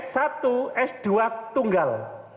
satu s dua tunggal